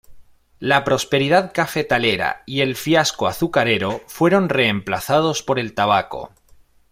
La prosperidad cafetalera y el fiasco azucarero fueron reemplazados por el tabaco.